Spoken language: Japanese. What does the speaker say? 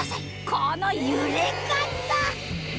この揺れ方！